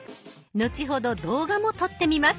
後ほど動画も撮ってみます。